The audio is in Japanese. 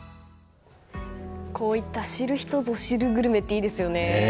こういった知る人ぞ知るグルメっていいですね。